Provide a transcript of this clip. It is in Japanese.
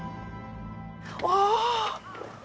ああ！